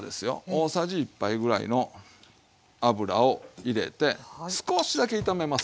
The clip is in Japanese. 大さじ１杯ぐらいの油を入れて少しだけ炒めます。